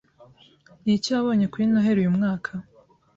Ni iki wabonye kuri Noheri uyu mwaka?